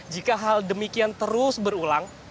jika hal demikian terus berulang